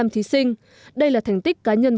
thí sinh đây là thành tích cá nhân